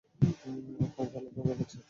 আপনাকে আলাদা দেখাচ্ছে।